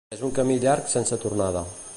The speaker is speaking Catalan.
És un camí llarg sense tornada.